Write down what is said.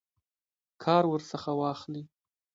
کار ورڅخه واخلي.